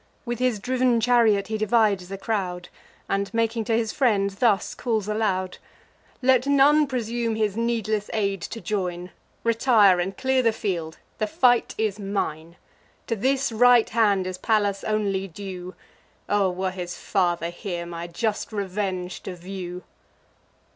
With his driv'n chariot he divides the crowd, And, making to his friends, thus calls aloud: "Let none presume his needless aid to join; Retire, and clear the field; the fight is mine: To this right hand is Pallas only due; O were his father here, my just revenge to view!"